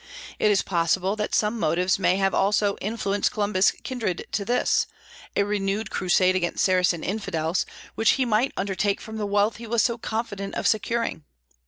It is possible that some motives may have also influenced Columbus kindred to this, a renewed crusade against Saracen infidels, which he might undertake from the wealth he was so confident of securing.